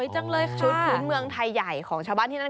ชุดทุนเมืองไทยใหญ่ของชาวบ้านเท่านั้น